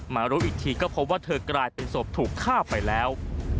รู้อีกทีก็พบว่าเธอกลายเป็นศพถูกฆ่าไปแล้ว